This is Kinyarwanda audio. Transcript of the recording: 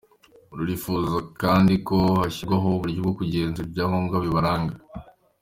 Ririfuza kandi ko hashyirwaho uburyo bwo kugenzura ibyangombwa bibaranga.